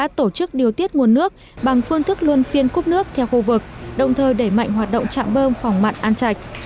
đã tổ chức điều tiết nguồn nước bằng phương thức luôn phiên cúp nước theo khu vực đồng thời đẩy mạnh hoạt động chạm bơm phòng mặn an chạch